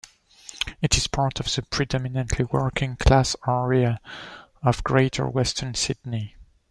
It is part of the predominantly working class area of Greater Western Sydney.